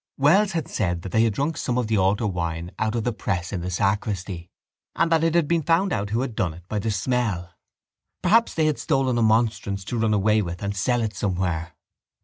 Wells had said that they had drunk some of the altar wine out of the press in the sacristy and that it had been found out who had done it by the smell. Perhaps they had stolen a monstrance to run away with and sell it somewhere.